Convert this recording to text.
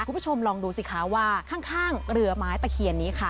คุณผู้ชมลองดูสิคะว่าข้างเรือไม้ตะเคียนนี้ค่ะ